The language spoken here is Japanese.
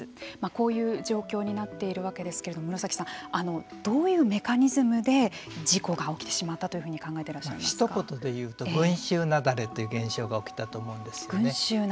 こういう状況になっているわけですけれども室崎さん、どういうメカニズムで事故が起きてしまったというふうにひと言で言うと群衆なだれという現象が起きたと思うんですよね。